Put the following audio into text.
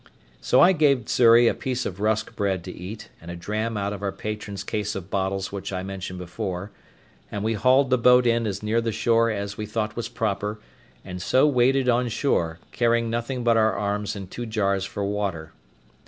So I gave Xury a piece of rusk bread to eat, and a dram out of our patron's case of bottles which I mentioned before; and we hauled the boat in as near the shore as we thought was proper, and so waded on shore, carrying nothing but our arms and two jars for water.